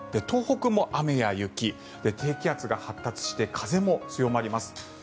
東北も雨や雪低気圧が発達して風も強まります。